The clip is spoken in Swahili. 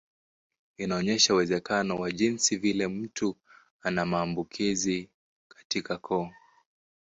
Inaonyesha uwezekano wa jinsi vile mtu ana maambukizi katika koo.